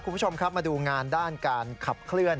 คุณผู้ชมครับมาดูงานด้านการขับเคลื่อน